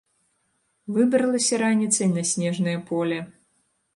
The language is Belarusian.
Выбралася раніцай на снежнае поле.